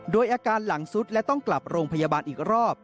โดยอาการหลังสุดและต้องกลับโรงพยาบาลอีกรอบ